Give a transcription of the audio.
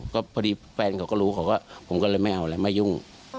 ก็พาเดียวแฟนเขาก็รู้ก็ไม่เอาไปอย่างไรไม่ยุ่ง